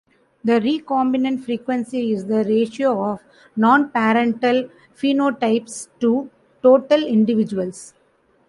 The recombinant frequency is the ratio of non-parental phenotypes to total individuals.